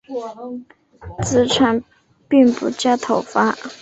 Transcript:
子产并不加讨伐。